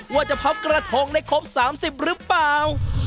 ว่าจะพับกระทงได้ครบ๓๐หรือเปล่า